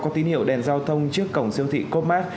có tín hiệu đèn giao thông trước cổng siêu thị côp mát